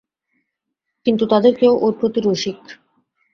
কিন্তু তাঁদের কেউ ওঁর প্রতি– রসিক।